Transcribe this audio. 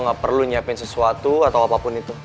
nggak perlu nyiapin sesuatu atau apapun itu